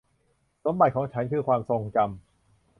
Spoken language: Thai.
สมบัติของฉันคือความทรงจำ